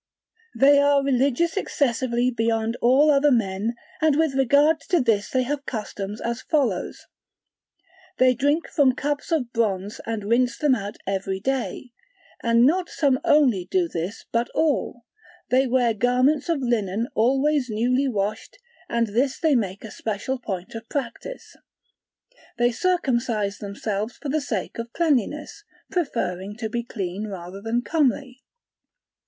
They are religious excessively beyond all other men, and with regard to this they have customs as follows: they drink from cups of bronze and rinse them out every day, and not some only do this but all: they wear garments of linen always newly washed, and this they make a special point of practice: they circumcise themselves for the sake of cleanliness, preferring to be clean rather than comely.